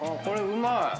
これうまい！